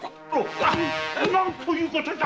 何ということだ！